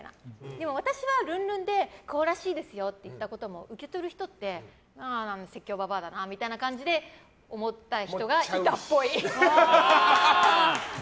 でも、私はルンルンでこうらしいですよって言ったことも、受け取る人って説教ババアだなみたいな感じで思った人がいたっぽい。